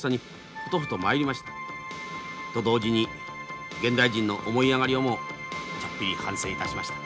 と同時に現代人の思い上がりをもちょっぴり反省いたしました。